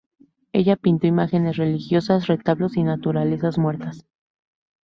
Ella pintó imágenes religiosas, retablos y naturalezas muertas.